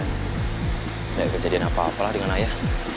nggak kejadian apa apa lah dengan ayah